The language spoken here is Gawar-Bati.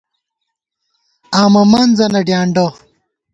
آمہ منزَنہ ڈیانڈہ